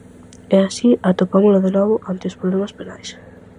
E así atopámolo de novo ante os problemas penais.